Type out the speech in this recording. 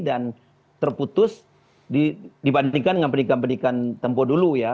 dan terputus dibandingkan dengan pendidikan pendidikan tempoh dulu ya